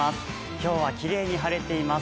今日はきれいに晴れています。